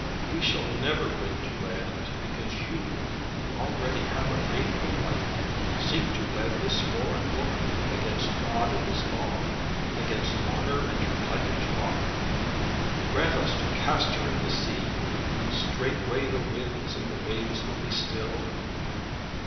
We shall never win to land, because you, who already have a faithful wife, seek to wed this foreign woman, against God and His law, against honour and your plighted troth. Grant us to cast her in the sea, and straightway the winds and the waves will be still."